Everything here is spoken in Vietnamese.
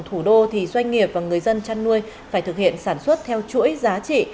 thủ đô thì doanh nghiệp và người dân chăn nuôi phải thực hiện sản xuất theo chuỗi giá trị